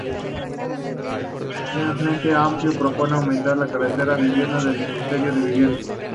El Frente Amplio propone aumentar la cartera de viviendas del Ministerio de Vivienda.